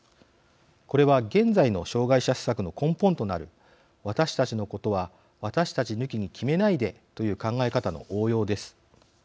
これは現在の障害者施策の根本となる私たちのことは私たち抜きに決めないでという考え方の応用です。